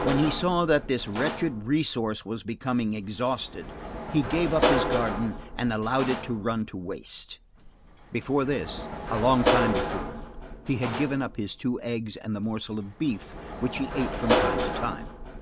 When he saw that this wretched resource was becoming exhausted, he gave up his garden and allowed it to run to waste. Before this, a long time before, he had given up his two eggs and the morsel of beef which he ate from time to time.